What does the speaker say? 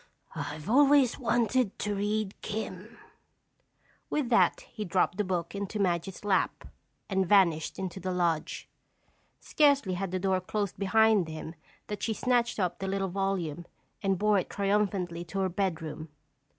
"I've always wanted to read 'Kim'." With that he dropped the book into Madge's lap and vanished into the lodge. Scarcely had the door closed behind him that she snatched up the little volume and bore it triumphantly to her bedroom.